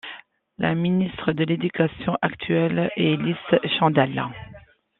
La ministre de l'Éducation actuelle est Liz Sandals.